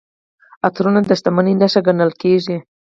عطرونه د شتمنۍ نښه ګڼل کیږي.